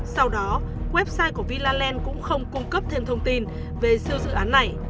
sau đó website của villa land cũng không cung cấp thêm thông tin về siêu dự án này